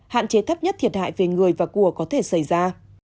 hạn chế thấp nhất thiệt hại về người và của có thể xảy ra